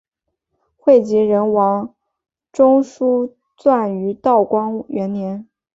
会稽人王仲舒撰于道光元年。